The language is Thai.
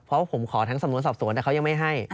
เพราะผมขอทั้งสำนวนสอบสวนแต่เขายังไม่ให้